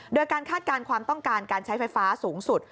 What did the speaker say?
โดยการคาดการณ์ความต้องการการใช้ไฟฟ้าสูงสุด